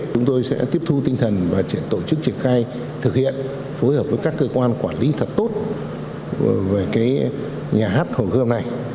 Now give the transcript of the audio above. chúng tôi sẽ tiếp thu tinh thần và sẽ tổ chức triển khai thực hiện phối hợp với các cơ quan quản lý thật tốt về nhà hát hồ gươm này